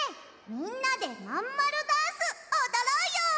みんなでまんまるダンスおどろうよ！